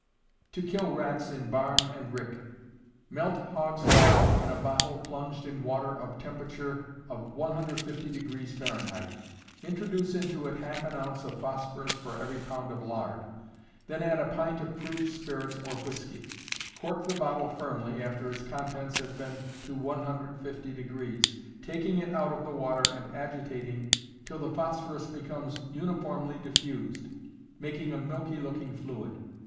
To Kill Rats in Barn and Rick. Melt hog's lard in a bottle plunged in water of temperature of 150 degrees Fahrenheit: introduce into it half an ounce of phosphorus for every pound of lard; then add a pint of proof spirits or whiskey; cork the bottle firmly after its contents have been to 150 degrees, taking it out of the water and agitating till the phosphorus becomes uniformly diffused, making a milky looking fluid.